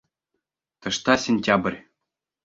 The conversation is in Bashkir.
Тышта сентябрь.